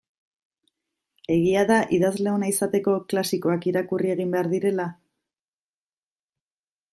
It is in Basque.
Egia da idazle ona izateko klasikoak irakurri egin behar direla?